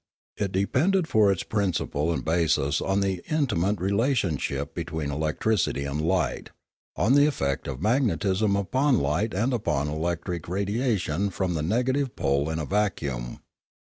It depended for its principle and basis on the intimate relationship between electricity and light, on the effect of magnetism upon light and upon electric radiation from the negative pole in a vacuum.